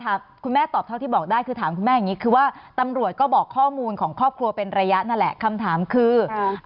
คุณแม่ตอบเท่าที่บอกได้คือถามคุณแม่อย่างนี้คือว่าตำรวจก็บอกข้อมูลของครอบครัวเป็นระยะนั่นแหละคำถามคือ